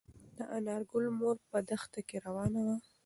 د انارګل مور په دښته کې روانه وه.